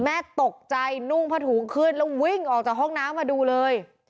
แม่ตกใจนุ่งผ้าถุงขึ้นแล้ววิ่งออกจากห้องน้ำมาดูเลย